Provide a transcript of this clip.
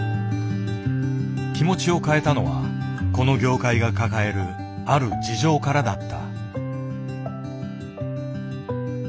気持ちを変えたのはこの業界が抱えるある事情からだった。